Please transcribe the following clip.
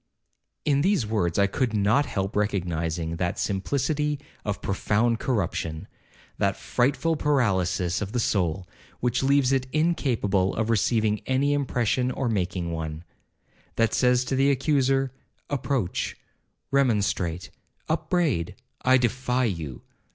In these words I could not help recognizing that simplicity of profound corruption,1—that frightful paralysis of the soul, which leaves it incapable of receiving any impression or making one,—that says to the accuser, Approach, remonstrate, upbraid—I defy you.